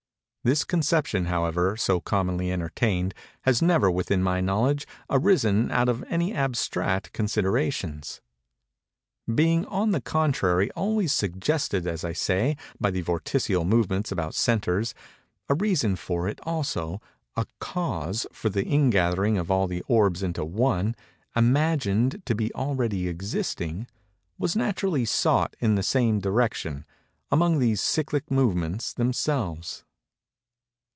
This conception, however, so commonly entertained, has never, within my knowledge, arisen out of any abstract considerations. Being, on the contrary, always suggested, as I say, by the vorticial movements about centres, a reason for it, also,—a cause for the ingathering of all the orbs into one, imagined to be already existing, was naturally sought in the same direction—among these cyclic movements themselves.